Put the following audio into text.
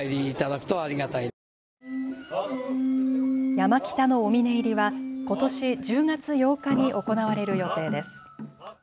山北のお峰入りはことし１０月８日に行われる予定です。